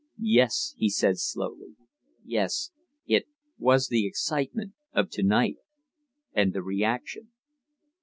"Yes," he said, slowly. "Yes. It was the excitement of to night and the reaction."